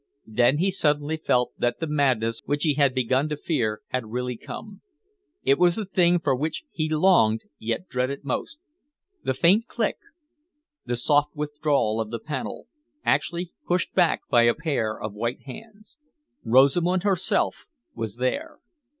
Then he suddenly felt that the madness which he had begun to fear had really come. It was the thing for which he longed yet dreaded most the faint click, the soft withdrawal of the panel, actually pushed back by a pair of white hands. Rosamund herself was there.